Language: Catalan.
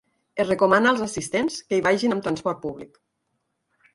Es recomana als assistents que hi vagin amb transport públic.